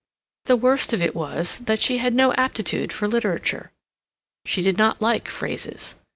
The worst of it was that she had no aptitude for literature. She did not like phrases.